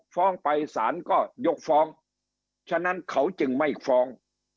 ฟ้องไปสารก็ยกฟ้องฉะนั้นเขาจึงไม่ฟ้อง